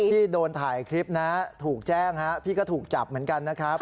พี่โดนถ่ายคลิปได้้ถูกแจ้งพี่ก็ถูกจับเหมือนกัน